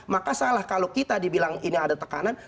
maka salah kalau kita dibilang ini ada tekanan